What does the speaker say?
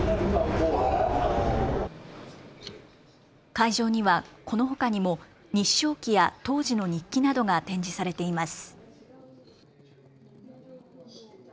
会場にはこのほかにも日章旗や当時の日記などが展示されています。